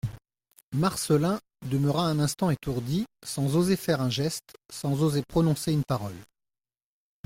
Marcelin demeura un instant étourdi, sans oser faire un geste, sans oser prononcer une parole.